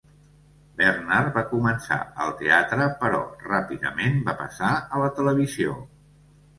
Bernard va començar al teatre, però ràpidament va passar a la televisió.